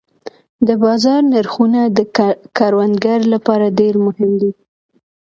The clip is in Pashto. د بازار نرخونه د کروندګر لپاره ډېر مهم دي.